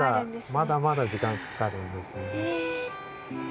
まだまだ時間かかるんですよね。